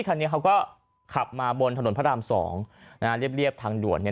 คันนี้เขาก็ขับมาบนถนนพระราม๒นะเรียบทางด่วนเนี่ย